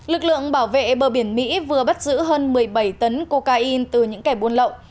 lực lượng bảo vệ bờ biển mỹ vừa bắt giữ hơn một mươi bảy tấn cocaine từ những kẻ buôn lậu